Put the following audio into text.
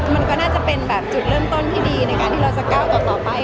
มันก็น่าจะเป็นแบบจุดเริ่มต้นที่ดีในการที่เราจะก้าวต่อไป